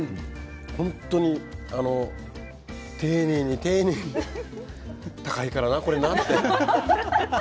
本当に丁寧に丁寧に高いからな、これなって。